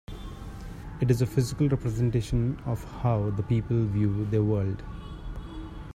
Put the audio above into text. It is a physical representation of how the people view their world.